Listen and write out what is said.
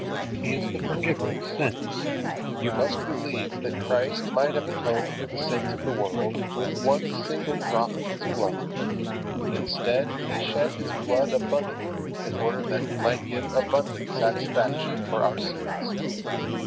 He is the Forgiver of sins. You must believe that Christ might have atoned for the sins of the world with one single drop of His blood. Instead, He shed His blood abundantly in order that He might give abundant satisfaction for our sins.